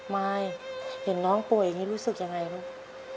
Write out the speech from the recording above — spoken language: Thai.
มายเห็นน้องป่วยอย่างนี้รู้สึกยังไงลูก